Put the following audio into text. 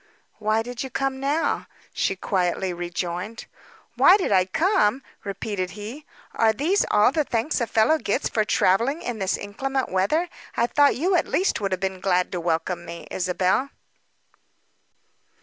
"Why did you come now?" she quietly rejoined. "Why did I come?" repeated he. "Are these all the thanks a fellow gets for travelling in this inclement weather? I thought you would at least have been glad to welcome me, Isabel."